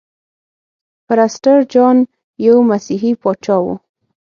پرسټر جان یو مسیحي پاچا و.